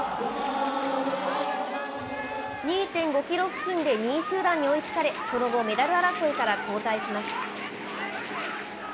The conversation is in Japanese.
２．５キロ付近で２位集団に追いつかれ、その後、メダル争いから後退します。